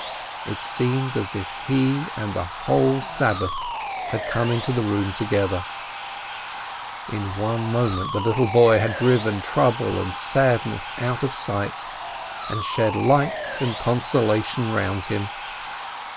It seemed as if he and the holy Sabbath had come into the room together! In one moment the little boy had driven trouble and sadness out of sight, and shed light and consolation round him.